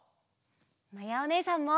まやおねえさんも！